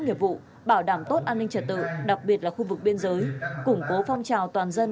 nghiệp vụ bảo đảm tốt an ninh trật tự đặc biệt là khu vực biên giới củng cố phong trào toàn dân